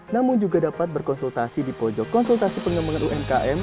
namun juga dapat berkonsultasi di pojok konsultasi pengembangan umkm